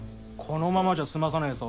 このままじゃ済まさねぇぞ。